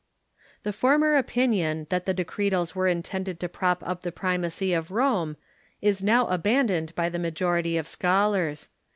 The former opinion that the Decretals were intended to prop up the primacy of Rome is now abandoned by the majority of scholars.